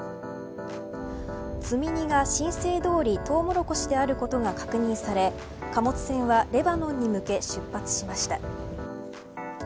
積み荷が申請どおりトウモロコシであることが確認され貨物船はレバノンに向け出発しました。